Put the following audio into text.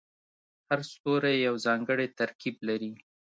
هر ستوری یو ځانګړی ترکیب لري.